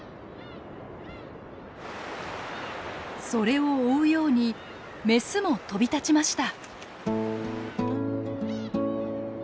それを追うように雌も飛び立ちました。